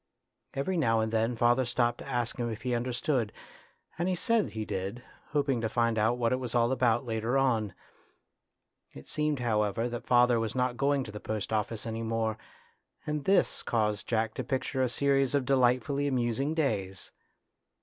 Every now and then father stopped to ask him if he understood, and he said he did, hoping to find out what it was all about later on. It seemed, however, that father was 102 A TRAGEDY IN LITTLE not going to the post office any more, and this caused Jack to picture a series of delightfully amusing days.